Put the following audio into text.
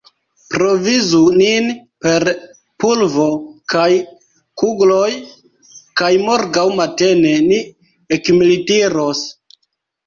Provizu nin per pulvo kaj kugloj, kaj morgaŭ matene ni ekmilitiros.